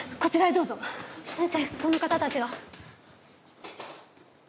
先生この方たちが。